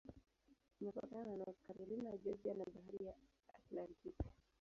Imepakana na North Carolina, Georgia na Bahari ya Atlantiki.